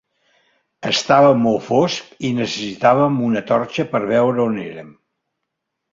Estava molt fosc i necessitaven una torxa per veure on eren